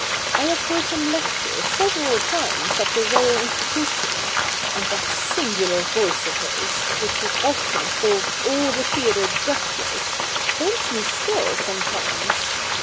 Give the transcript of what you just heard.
I have heard him lecture several times at the Royal Institution ; and that singular voice of his, which would often hold all the theatre breathless, haunts me still, sometimes.